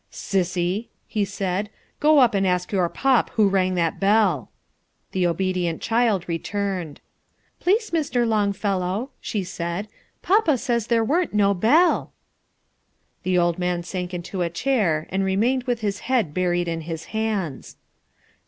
"Sissy," he said, "go up and ask your pop who rang that bell." The obedient child returned. "Please, Mr. Longfellow," she said, "pa says there weren't no bell." The old man sank into a chair and remained with his head buried in his hands.